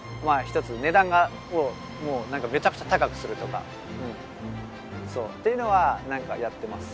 １つ値段をもうなんかめちゃくちゃ高くするとかっていうのはなんかやってます。